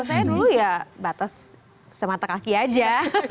saya dulu ya batas semata kaki aja